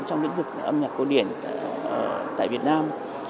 trong lĩnh vực âm nhạc cổ điển tại việt nam